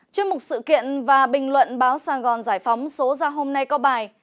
chuyên mục sự kiện và bình luận báo sài gòn giải phóng số ra hôm nay có bài